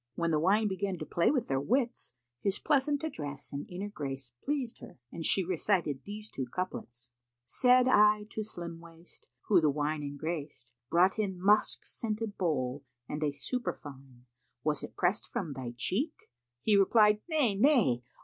When the wine began to play with their wits, his pleasant address and inner grace pleased her, and she recited these two couplets, "Said I to Slim waist who the wine engraced * Brought in musk scented bowl and a superfine, 'Was it prest from thy cheek?' He replied 'Nay, nay!